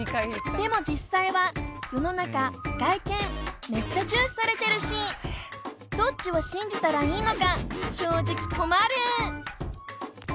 でも実際は世の中外見めっちゃ重視されてるしどっちを信じたらいいのか正直困る。